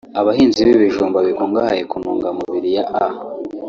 abahinzi b’ibijumba bikungahaye ku ntungamubiri ya A